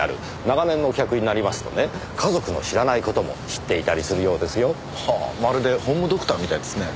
長年の客になりますとね家族の知らない事も知っていたりするようですよ。はまるでホームドクターみたいですね。